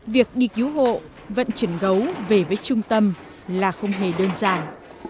việc đi cứu hộ vận chuyển gấu về với trung tâm là không hề đơn giản